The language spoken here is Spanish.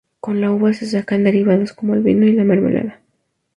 Con la uva se sacan derivados como el vino y la mermelada.